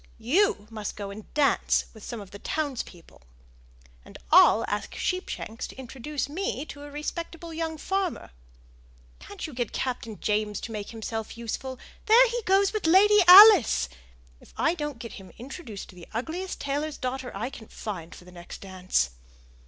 You must go and dance with some of the townspeople, and I'll ask Sheepshanks to introduce me to a respectable young farmer. Can't you get Captain James to make himself useful? There he goes with Lady Alice! If I don't get him introduced to the ugliest tailor's daughter I can find for the next dance!"